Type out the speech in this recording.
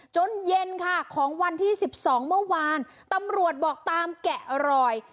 เย็นค่ะของวันที่๑๒เมื่อวานตำรวจบอกตามแกะรอย